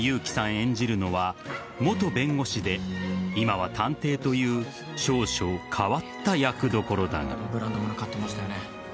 演じるのは元弁護士で今は探偵という少々変わった役どころだが。